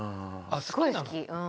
すごい好き。